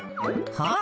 はい。